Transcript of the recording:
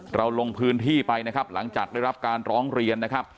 เราลงพื้นที่ไปนะครับหลังจากได้รับการร้องเรียนนะครับ